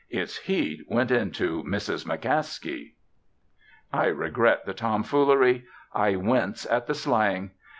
Its heat went into Mrs. McCaskey." I regret the tomfoolery; I wince at the slang.